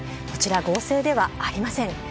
こちら、合成ではありません。